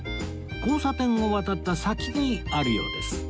交差点を渡った先にあるようです